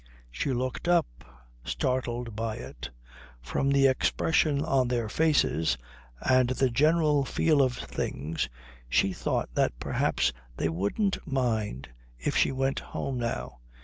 She looked up, startled by it. From the expression on their faces and the general feel of things she thought that perhaps they wouldn't mind if she went home now.